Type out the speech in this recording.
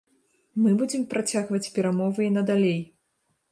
Мы будзе працягваць перамовы і надалей.